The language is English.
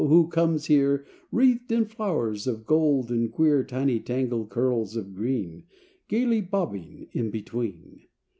who comes here Wreathed in flowers of gold and queer Tiny tangled curls of green Gayly bobbing in between?